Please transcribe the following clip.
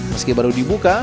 meski baru dibuka